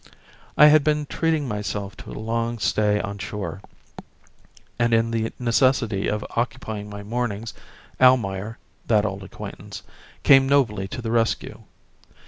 I had been treating myself to a long stay on shore, and in the necessity of occupying my mornings, Almayer (that old acquaintance) came nobly to the rescue.